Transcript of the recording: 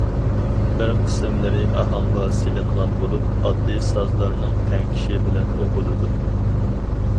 بىر قىسىملىرى ئاھاڭغا سېلىنغان بولۇپ، ئاددىي سازلارنىڭ تەڭكىشى بىلەن ئوقۇلىدۇ.